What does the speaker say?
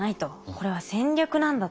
これは戦略なんだと。